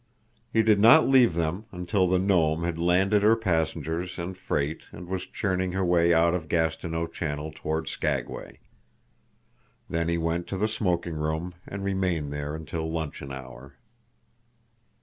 He did not leave them until the Nome had landed her passengers and freight and was churning her way out of Gastineau Channel toward Skagway. Then he went to the smoking room and remained there until luncheon hour.